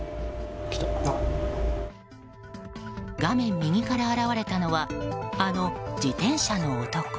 画面右から現れたのはあの自転車の男。